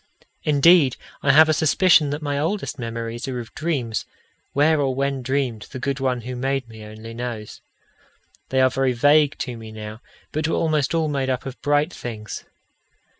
Indeed, I have a suspicion that my oldest memories are of dreams, where or when dreamed, the good One who made me only knows. They are very vague to me now, but were almost all made up of bright things.